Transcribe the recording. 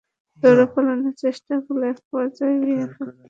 দৌড়ে পালানোর চেষ্টা করলে একপর্যায়ে বিএসএফ তাঁদের লক্ষ্য করে গুলি ছোড়ে।